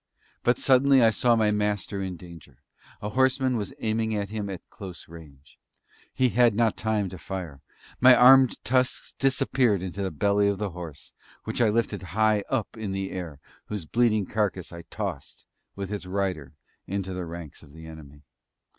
But suddenly I saw my Master in danger; a horseman was aiming at him at close range. He had not time to fire my armed tusks disappeared in the belly of the horse, which I lifted high up in the air, and whose bleeding carcass I tossed, with its rider, into the ranks of the enemy.